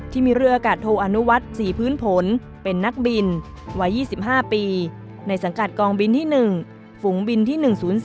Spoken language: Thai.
ที่มีเรืออากาศโทอนุวัฒน์ศรีพื้นผลเป็นนักบินวัย๒๕ปีในสังกัดกองบินที่๑ฝูงบินที่๑๐๔